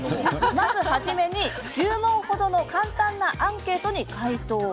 まず初めに、１０問程の簡単なアンケートに回答。